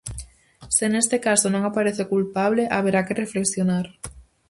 Se neste caso non aparece o culpable, haberá que reflexionar.